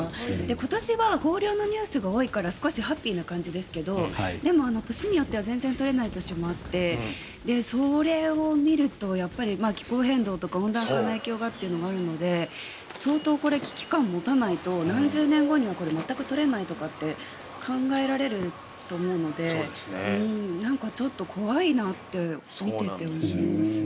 今年は豊漁のニュースが多いから少しハッピーな感じですけどでも、年によっては全然取れない年もあってそれを見るとやっぱり気候変動とか温暖化の影響がというのがあるので相当これ危機感を持たないと何十年後には全く取れないとかって考えられると思うので怖いなって見ていて思います。